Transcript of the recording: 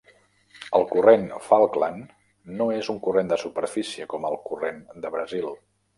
El Corrent Falkland no és un corrent de superfície com el Corrent de Brasil.